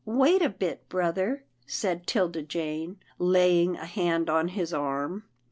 " Wait a bit, brother," said 'Tilda Jane, laying a hand on his arm.